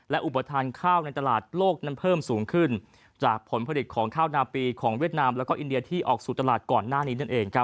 อุปทานข้าวในตลาดโลกนั้นเพิ่มสูงขึ้นจากผลผลิตของข้าวนาปีของเวียดนามและอินเดียที่ออกสู่ตลาดก่อนหน้านี้นั่นเอง